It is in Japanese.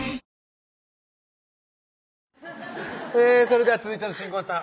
それでは続いての新婚さん